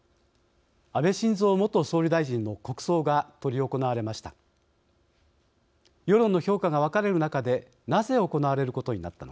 安倍晋三元総理大臣の国葬が執り行われました。